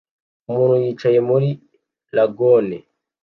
Umuntu yicaye muri lagoon